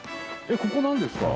えっここなんですか？